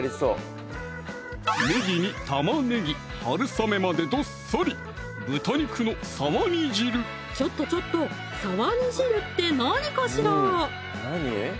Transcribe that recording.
ねぎに玉ねぎ・はるさめまでどっさりちょっとちょっと「沢煮汁」って何かしら？